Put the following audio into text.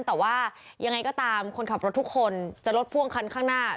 แต่ว่ายังไงก็ตามคนขับรถทุกคนจะรถพ่วงคันข้างหน้า